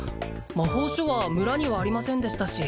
魔法書は村にはありませんでしたし